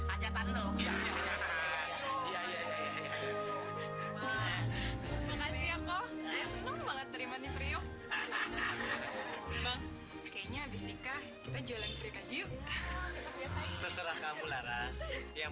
terima nih pria kayaknya habis nikah kita jualan kaji yuk terserah kamu laras yang